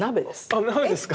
あ鍋ですか。